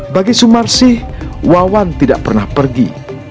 bagi sumarsih wawan tidak pernah pergi